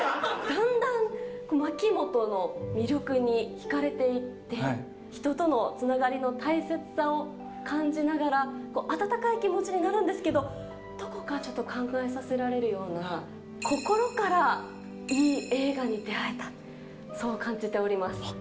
だんだん牧本の魅力に引かれていって、人とのつながりの大切さを感じながら、温かい気持ちになるんですけど、どこかちょっと考えさせられるような、心からいい映画に出会えた、そう感じております。